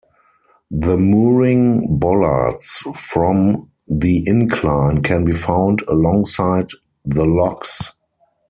The mooring bollards from the incline can be found alongside the locks.